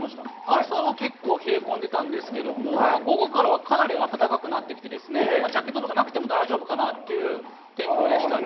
朝は冷え込んでたんですけれども、午後からはかなり暖かくなってきて、じゃけっととかなくても大丈夫かなという天候でしたね。